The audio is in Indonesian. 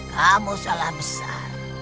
kamu salah besar